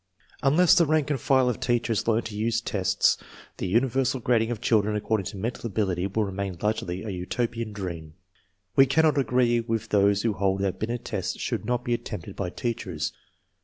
Unless the rank and file of teachers learn to use tests the universal grading of children according to mental ability will remain largely a Utopian dream. We cannot agree with those who hold that Binet tests should not be attempted by teachers.